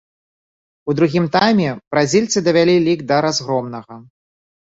У другім тайме бразільцы давялі лік да разгромнага.